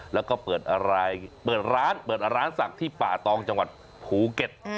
แล้วก็เปิดร้านศักดิ์ที่ป่าตองจังหวัดหูเก็ต